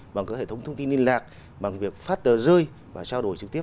bằng các hệ thống thông tin liên lạc bằng việc phát tờ rơi và trao đổi trực tiếp